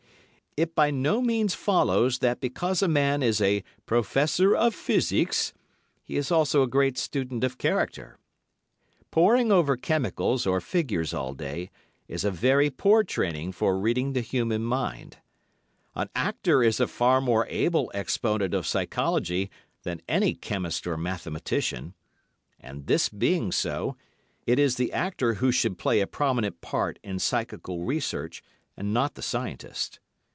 It by no means follows that because a man is a Professor of Physics he is also a great student of character. Poring over chemicals or figures all day is a very poor training for reading the human mind. An actor is a far more able exponent of psychology than any chemist or mathematician, and this being so, it is the actor who should play a prominent part in psychical research and not the scientist.